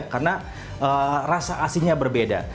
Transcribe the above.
karena rasa asinnya berbeda